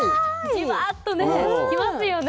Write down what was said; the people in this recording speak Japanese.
じわっとねきますよね